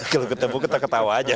kalau ketemu kita ketawa aja